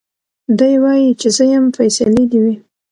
دی وايي چي زه يم فيصلې دي وي